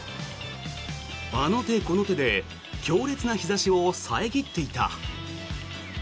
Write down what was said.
あの手この手で強烈な日差しを遮っていた。